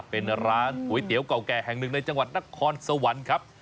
เป็นร้านก๋วยเตี๋ยวเก่าแก่แห่งหนึ่งในจังหวัดนครสวรรค์ครับ